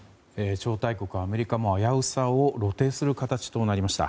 超大国アメリカも危うさを露呈する形となりました。